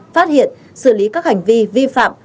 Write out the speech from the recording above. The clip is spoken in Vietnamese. phát hiện xử lý các hành vi vi phạm